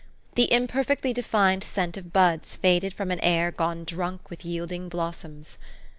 The imperfectly defined scent of bads faded from an ah gone drunk with yielding blossoms.